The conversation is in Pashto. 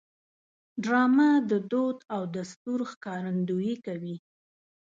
ډرامه د دود او دستور ښکارندویي کوي